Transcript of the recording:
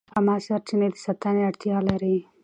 عامه سرچینې د ساتنې اړتیا لري.